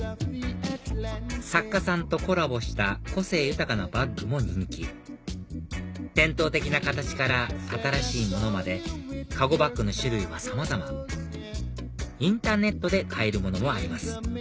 作家さんとコラボした個性豊かなバッグも人気伝統的な形から新しいものまで籠バッグの種類はさまざまインターネットで買えるものもあります